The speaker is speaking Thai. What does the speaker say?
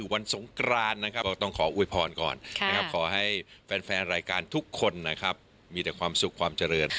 วันสงครานต้องขออวยพรก่อนขอให้แฟนรายการทุกคนมีแต่ความสุขความเจริญ